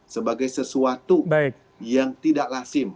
sebagai sesuatu yang tidak lasim